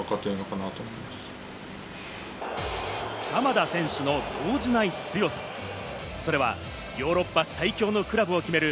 鎌田選手の動じない強さ、それはヨーロッパ最強のクラブを決める